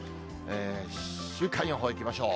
週間予報いきましょう。